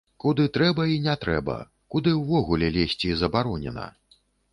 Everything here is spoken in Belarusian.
Куды трэба і не трэба, куды ўвогуле лезці забаронена.